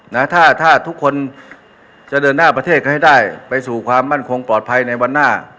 นะถ้าถ้าทุกคนจะเดินหน้าประเทศก็ให้ได้ไปสู่ความมั่นคงปลอดภัยในวันหน้า